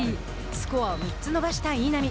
スコアを３つ伸ばした稲見。